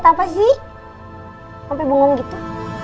sampai bengong gitu